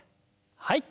はい。